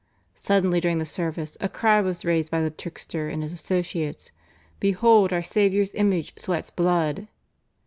Suddenly during the service a cry was raised by the trickster and his associates, "Behold Our Saviour's image sweats blood."